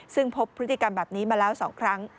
ซึ่งพบพฤติกรรมแบบนี้มาแล้ว๒ครั้ง